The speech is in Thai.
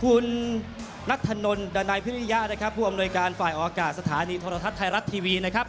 คุณนัทธานนท์ดานัยพิริยะผู้อำนวยการฝ่ายออกกาศสถานีโทรทัศน์ไทยรัฐทีวี